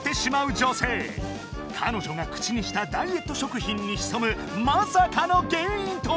女性彼女が口にしたダイエット食品に潜むまさかの原因とは？